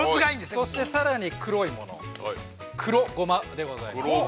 そして、さらに黒いもの黒ごまでございます。